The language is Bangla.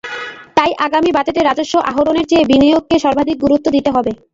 তাই আগামী বাজেটে রাজস্ব আহরণের চেয়ে বিনিয়োগকে সর্বাধিক গুরুত্ব দিতে হবে।